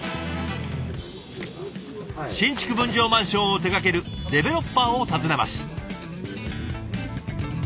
新築分譲マンションを手がけるデベロッパーを訪ねます。